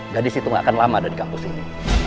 gadis itu gak akan lama ada di kampus ini